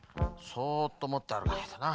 そっともってあるかないとな。